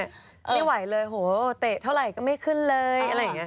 ไม่ไหวเลยโหเตะเท่าไหร่ก็ไม่ขึ้นเลยอะไรอย่างนี้